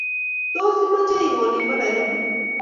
Tos, imache iwe olin bo Nairobi